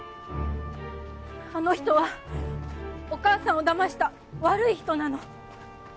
あの人はお母さんを騙した悪い人なの。